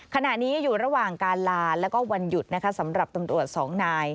ขณะนี้อยู่ระหว่างการลาแล้วก็วันหยุดนะคะสำหรับตำรวจสองนาย